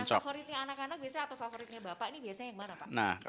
nah favoritnya anak anak biasanya atau favoritnya bapak ini biasanya yang mana pak